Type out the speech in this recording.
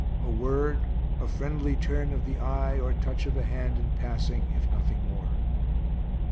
A word, a friendly turn of the eye or touch of the hand in passing, if nothing more.